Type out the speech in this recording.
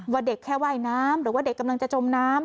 เด็กแค่ว่ายน้ำหรือว่าเด็กกำลังจะจมน้ำ